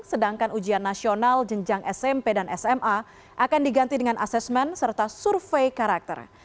sedangkan ujian nasional jenjang smp dan sma akan diganti dengan asesmen serta survei karakter